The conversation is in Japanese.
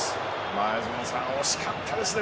前園さん、惜しかったですね。